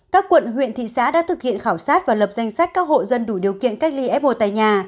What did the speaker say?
các quận huyện thị xã đã thực hiện khảo sát và lập danh sách các hộ dân đủ điều kiện cách ly f một tại nhà